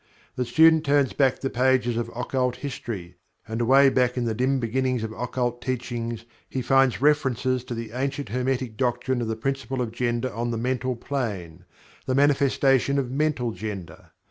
The student turns back the pages of occult history, and away back in the dim beginnings of occult teachings he finds references to the ancient Hermetic doctrine of the Principle of Gender on the Mental Plane the manifestation of Mental Gender.